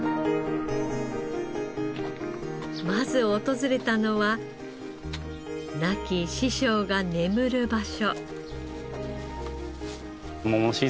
まず訪れたのは亡き師匠が眠る場所。